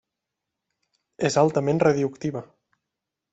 És altament radioactiva.